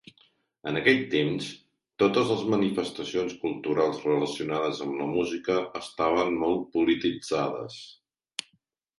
En aquell temps, totes les manifestacions culturals relacionades amb la música estaven molt polititzades.